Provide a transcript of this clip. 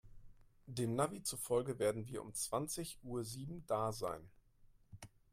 Dem Navi zufolge werden wir um zwanzig Uhr sieben da sein.